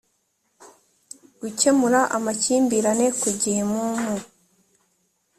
gukemura amakimbirane ku gihe mu mu